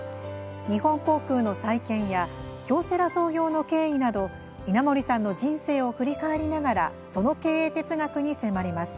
日本航空の再建や京セラ創業の経緯など稲盛さんの人生を振り返りながらその経営哲学に迫ります。